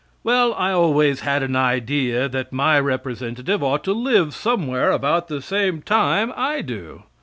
Well, I always had an idea that my representative ought to live somewhere about the same time I do.